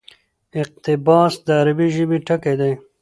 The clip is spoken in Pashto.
اقتباس: د عربي ژبي ټکى دئ.